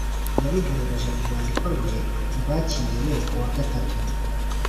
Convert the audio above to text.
Yabigaragaje mu rwandiko rwe rwakiriwe ku wa gatatu